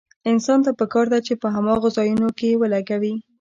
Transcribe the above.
انسان ته پکار ده په هماغو ځايونو کې يې ولګوي.